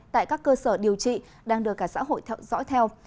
tại các cơ sở điều trị đang được cả xã hội theo dõi theo